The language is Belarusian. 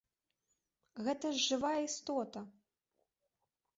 Гэта ж жывая істота!